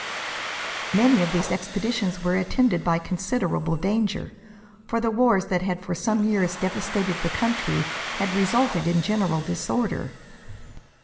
Many of these expeditions were attended by considerable danger, for the wars that had for some years devastated the country had resulted in general disorder.